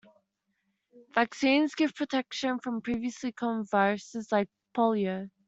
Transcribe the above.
Vaccines give protection from previously common viruses like Polio.